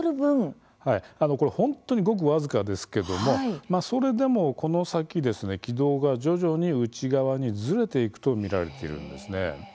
これ、本当にごく僅かですけどもそれでもこの先軌道が徐々に内側にずれていくと見られているんですね。